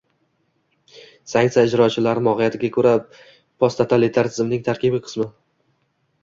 Sanksiya ijrochilari - mohiyatiga ko‘ra, posttotalitar tizimning tarkibiy qismi